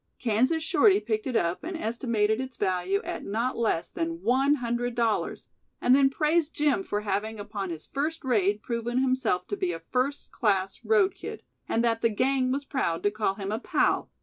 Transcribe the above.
Kansas Shorty picked it up and estimated its value at not less than one hundred dollars, and then praised Jim for having upon his first raid proven himself to be a first class road kid, and that the "gang" was proud to call him a pal.